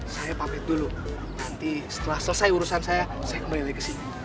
saya pamit dulu nanti setelah selesai urusan saya saya kembali lagi ke sini